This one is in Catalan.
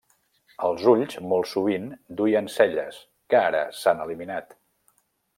Els ulls molt sovint duien celles, que ara s'han eliminat.